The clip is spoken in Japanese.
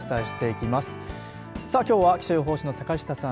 きょうは気象予報士の坂下さん